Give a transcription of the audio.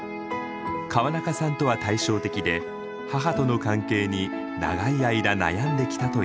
川中さんとは対照的で母との関係に長い間悩んできたといいます。